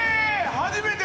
初めて！